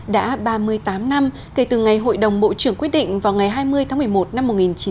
đã ba mươi tám năm kể từ ngày hội đồng bộ trưởng quyết định vào ngày hai mươi tháng một mươi một năm một nghìn chín trăm bảy mươi